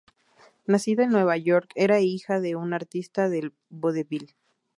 Nacida en Nueva York, era hija de un artista del vodevil.